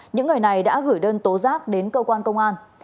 những người này đã gửi đơn tố giác đến cơ quan công an